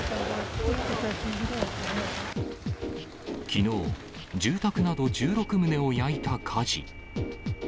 きのう、住宅など１６棟を焼いた火事。